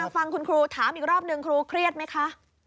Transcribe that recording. ฟังคุณครูถามอีกรอบนึงครูเครียดไหมคะ